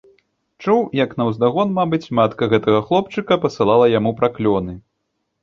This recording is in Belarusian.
Чуў, як наўздагон, мабыць, матка гэтага хлопчыка пасылала яму праклёны.